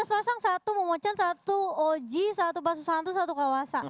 lima belas pasang satu mau bocan satu og satu basuh santu satu kawasan